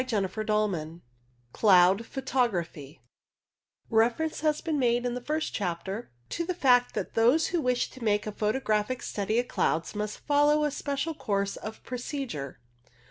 CHAPTER XI CLOUD PHOTOGRAPHY Reference has been made in the first chapter to the fact that those who wish to make a photographic study of clouds must follow a special course of pro cedure.